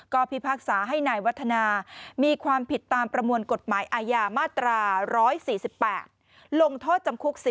ก็พิพากษาให้นายวัฒนามีความผิดตามประมวลกฎหมายอาญามาตรา๑๔๘ลงโทษจำคุก